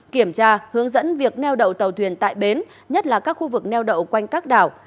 kiểm tra hướng dẫn việc neo đậu tàu thuyền tại bến nhất là các khu vực neo đậu quanh các đảo